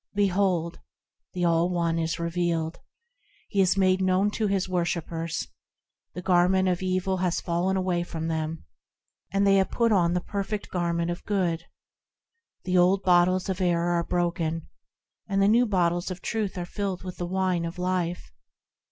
Behold ! the All One is revealed, He is made known to His worshippers ; The garment of evil has fallen away from them, And they have put on the perfect garment of Good; The old bottles of error are broken, And the new bottles of Truth are filled with the Wine of Life.